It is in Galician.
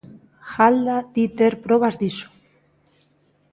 Jalda di ter probas diso.